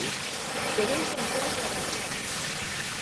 Quedei sen teas de araña.